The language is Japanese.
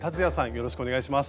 よろしくお願いします。